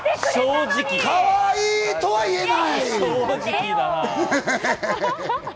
かわいいとは言えない。